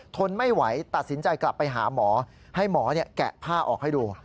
ทนไม่ไหวตัดสินใจกลับไปหาหมอให้หมอแกะผ้าออกให้ดู